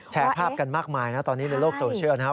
แชร์ภาพกันมากมายนะตอนนี้ในโลกโซเชียลนะครับ